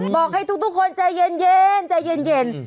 บอกให้ทุกคนใจเย็น